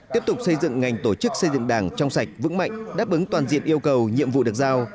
tiếp tục xây dựng ngành tổ chức xây dựng đảng trong sạch vững mạnh đáp ứng toàn diện yêu cầu nhiệm vụ được giao